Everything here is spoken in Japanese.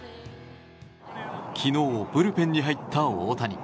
昨日、ブルペンに入った大谷。